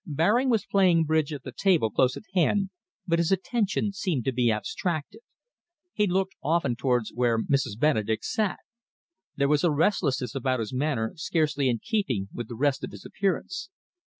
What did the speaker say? Baring was playing bridge at a table close at hand, but his attention seemed to be abstracted. He looked often towards where Mrs. Benedek sat. There was a restlessness about his manner scarcely in keeping with the rest of his appearance.